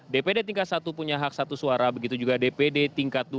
dpd tingkat satu punya hak satu suara begitu juga dpd tingkat dua